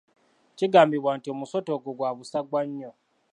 Kigambibwa nti omusota ogwo gwa busagwa nnyo.